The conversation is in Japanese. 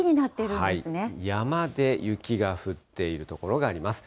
山で雪が降っている所があります。